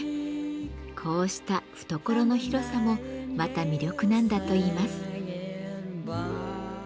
こうした懐の広さもまた魅力なんだといいます。